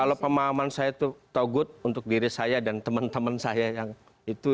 kalau pemahaman saya itu togut untuk diri saya dan teman teman saya yang itu